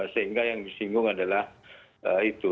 sehingga yang disinggung adalah itu